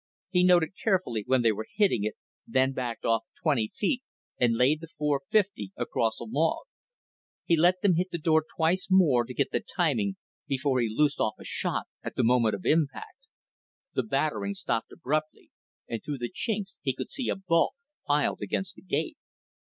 He noted carefully where they were hitting it, then backed off twenty feet and laid the .450 across a log. He let them hit the door twice more to get the timing before he loosed off a shot, at the moment of impact. The battering stopped abruptly, and through the chinks he could see a bulk piled against the gate.